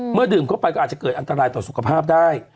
ดื่มเข้าไปก็อาจจะเกิดอันตรายต่อสุขภาพได้